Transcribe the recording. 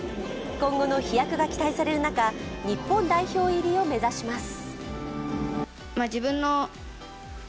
今後の飛躍が期待される中日本代表入りを目指します。